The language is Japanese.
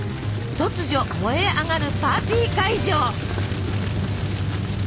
突如燃え上がるパーティー会場。